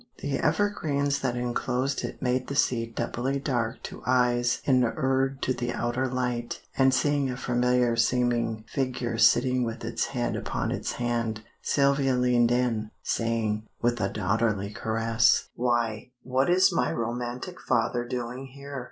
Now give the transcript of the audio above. The evergreens that enclosed it made the seat doubly dark to eyes inured to the outer light, and seeing a familiar seeming figure sitting with its head upon its hand, Sylvia leaned in, saying, with a daughterly caress "Why, what is my romantic father doing here?"